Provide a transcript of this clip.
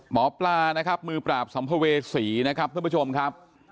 หมอปลามือปราบสัมภเวศีทุกผู้ชมครับ